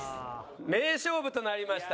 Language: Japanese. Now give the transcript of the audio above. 名勝負となりました。